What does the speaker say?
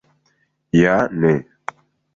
Ja ne!